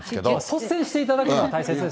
率先していただくのは大切です。